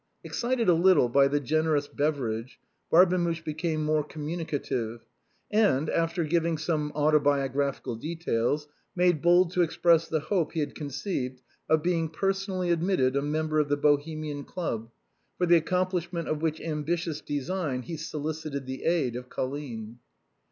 Excited a little by the generous beverage, Barbemuche became more communicative and, after giving some autobiographical de tails, made bold to express the hope he had conceived of being personally admitted a member of the Bohemian Club, for the accomplishment of which ambitious design he solicited the aid of Colline.